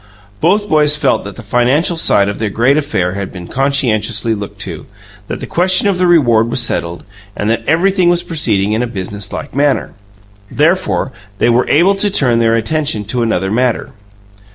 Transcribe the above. Both boys felt that the financial side of their great affair had been conscientiously looked to, that the question of the reward was settled, and that everything was proceeding in a businesslike manner. Therefore, they were able to turn their attention to another matter.